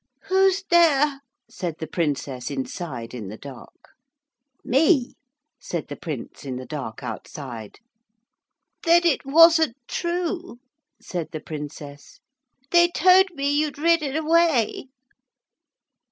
'Who's dhere?' said the Princess inside in the dark. 'Me,' said the Prince in the dark outside. 'Thed id wasnd't true?' said the Princess. 'They toad be you'd ridded away.'